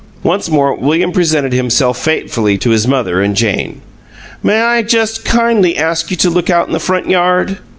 Once more William presented himself fatefully to his mother and Jane. "May I just kindly ask you to look out in the front yard?"